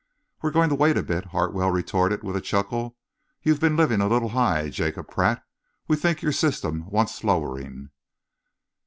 "We're going to wait a bit," Hartwell retorted with a chuckle. "You've been living a little high, Jacob Pratt. We think your system wants lowering."